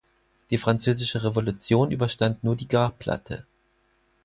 Die Französische Revolution überstand nur die Grabplatte.